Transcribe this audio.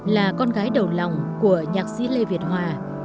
là con gái đầu lòng của nhạc sĩ lê việt hòa